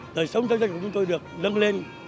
đời sống giáo dân của chúng tôi được nâng lên